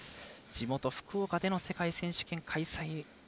地元・福岡での世界選手権開催。